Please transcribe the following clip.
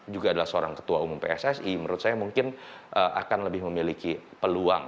juga adalah seorang ketua umum pssi menurut saya mungkin akan lebih memiliki peluang